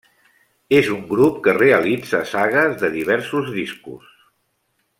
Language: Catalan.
És un grup que realitza sagues de diversos discos.